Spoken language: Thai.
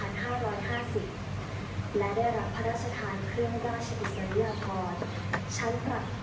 และได้รับพระราชทานเครื่องราชกิจศัพท์เรืออาทร